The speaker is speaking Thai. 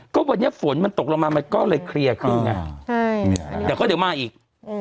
ก็วันเนี้ยฝนมันตกลงมามันก็เลยเคลียร์คืนน่ะใช่นี่แหละเดี๋ยวก็เดี๋ยวมาอีกอืม